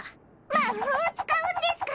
魔法を使うんですか？